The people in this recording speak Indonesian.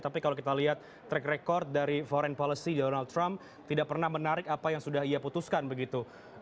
tapi kalau kita lihat track record dari foreign policy donald trump tidak pernah menarik apa yang sudah ia putuskan begitu